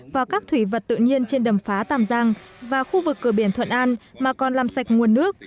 và các thủy vật tự nhiên trên đầm phá tàm giang và khu vực cửa biển thuận an mà còn làm sạch nguồn nước